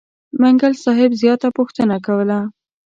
منګل صاحب زیاته پوښتنه کوله.